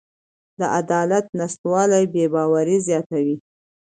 د عدالت نشتوالی بې باوري زیاتوي